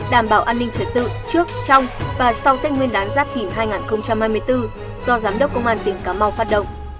đảm bảo an ninh trật tự trước trong và sau tết nguyên đán giáp thìn hai nghìn hai mươi bốn do giám đốc công an tỉnh cà mau phát động